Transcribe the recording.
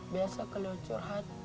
biasa kalau curhat